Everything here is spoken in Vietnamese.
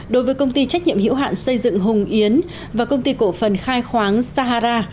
đối với công ty trách nhiệm hiểu hạn xây dựng hùng yến và công ty cổ phần khai khoáng sahara